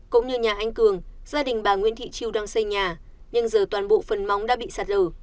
cũng như nhà anh cường gia đình bà nguyễn thị triều đang xây nhà nhưng giờ toàn bộ phần móng đã bị sạt lở